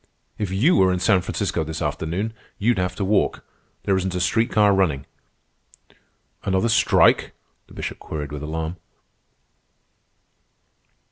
If you were in San Francisco this afternoon, you'd have to walk. There isn't a street car running." "Another strike?" the Bishop queried with alarm.